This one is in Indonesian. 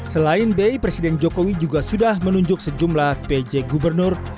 selain b presiden jokowi juga sudah menunjuk sejumlah pj gubernur